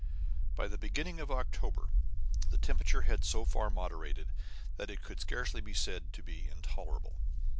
By the beginning of October, the temperature had so far moderated that it could scarcely be said to be intolerable.